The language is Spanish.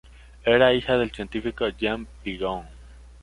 Era hija del científico Jean Pigeon.